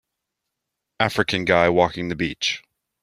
African guy walking the beach.